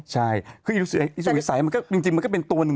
ใช่คืออีสุวิสัยมันก็จริงมันก็เป็นตัวหนึ่ง